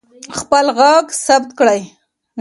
خپل غږ ثبت کړئ.